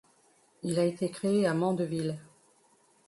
Il a été créé à Mandeville.